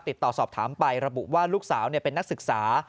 ติดต่อสอบถามไประบุว่าลูกสาวเป็นนักศึกษา